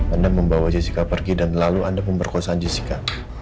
anda membawa jessica pergi dan lalu anda pemerkosaan jessica